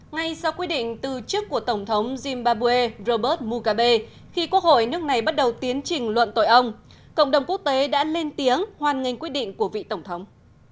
ngay sau quyết định từ chức của tổng thống zim babue robert muke khi quốc hội nước này bắt đầu tiến trình luận tội ông cộng đồng quốc tế đã lên tiếng hoan nghênh quyết định của vị tổng thống